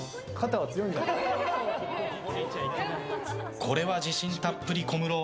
これは自信たっぷり、小室。